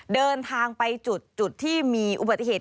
เดินทางไปจุดที่มีอุบัติเหตุ